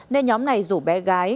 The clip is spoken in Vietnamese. nên nhóm này rủ bé gái